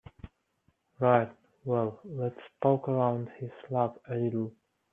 Right, well let's poke around his lab a little.